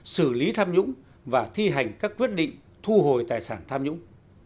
xử lý tham nhũng và thi hành các quyết định thu hồi tài sản tham nhũng